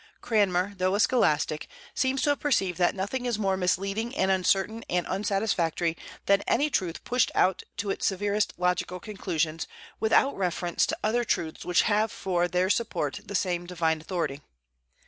Cranmer, though a scholastic, seems to have perceived that nothing is more misleading and uncertain and unsatisfactory than any truth pushed out to its severest logical conclusions without reference to other truths which have for their support the same divine authority.